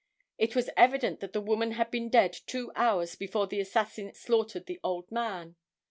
It was evident that the woman had been dead two hours before the assassin slaughtered the old man.